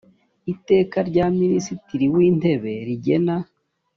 iteka rya minisitiri w intebe rigena